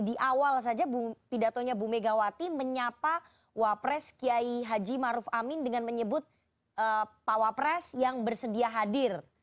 di awal saja pidatonya bumegawati menyapa wapres kiai haji ma ruf amin dengan menyebut pak wapres yang bersedia hadir